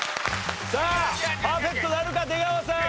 さあパーフェクトなるか出川さん！